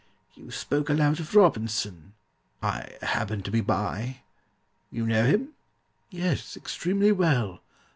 You spoke aloud of ROBINSON—I happened to be by. You know him?" "Yes, extremely well."